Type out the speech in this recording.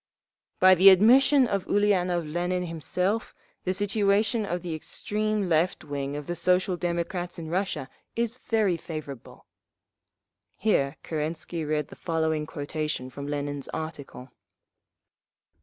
"… By the admission of Ulianov Lenin himself, the situation of the extreme left wing of the Social Democrats in Russia is very favourable." (Here Kerensky read the following quotation from Lenin's article.)